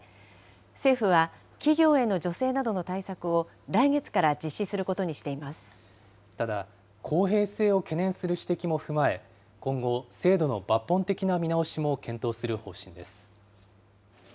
政府は企業への助成などの対策を来月から実施することにしていまただ、公平性を懸念する指摘も踏まえ、今後、制度の抜本的な見直しも検討する方針です。